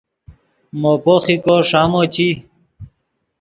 مو پوخیکو ݰامو چی